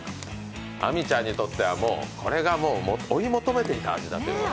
亜美ちゃんにとっては、これが追い求めていた味だと。